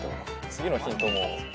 次のヒントも。